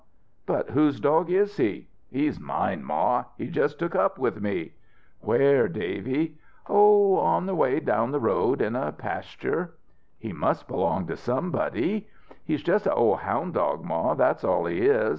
"But whose dog is he?" "He's mine, Ma he just took up with me." "Where, Davy?" "Oh, way back down the road in a pasture." "He must belong to somebody." "He's just a ol' hound dog, Ma, that's all he is.